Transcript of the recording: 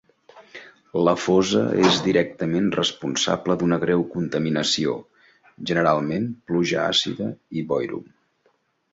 La fosa és directament responsable d'una greu contaminació, generalment, pluja àcida i boirum.